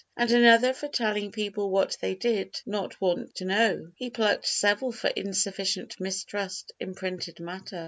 And another for telling people what they did not want to know. He plucked several for insufficient mistrust in printed matter.